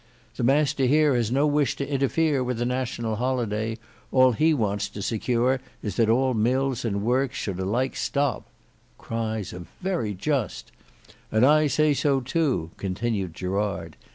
"The master here has no wish to interfere with the National Holiday; all he wants to secure is that all mills and works should alike stop (cries of "Very just"). And I say so too," continued Gerard.